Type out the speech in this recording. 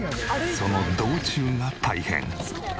その道中が大変。